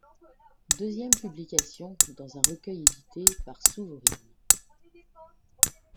Deuxième publication dans un recueil édité par Souvorine.